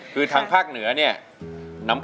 กระแซะเข้ามาสิ